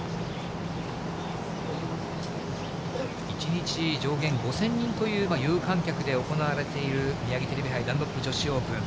１日上限５０００人という、有観客で行われている、ミヤギテレビ杯ダンロップ女子オープン。